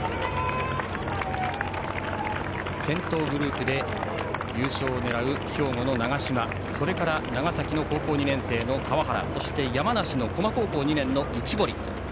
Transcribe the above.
先頭グループで優勝を狙う兵庫の長嶋それから長崎の高校２年生の川原そして山梨の巨摩高校２年の内堀。